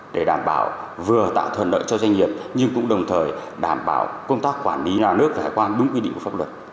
để đảm bảo vừa tạo thuận lợi cho doanh nghiệp nhưng cũng đồng thời đảm bảo công tác quản lý nhà nước về hải quan đúng quy định của pháp luật